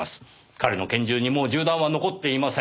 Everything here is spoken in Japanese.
彼の拳銃にもう銃弾は残っていません。